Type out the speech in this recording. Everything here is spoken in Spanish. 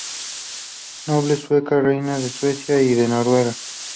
Noble sueca, reina de Suecia y de Noruega.